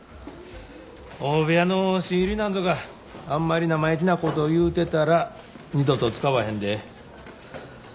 大部屋の新入りなんぞがあんまり生意気なことを言うてたら二度と使わへんで。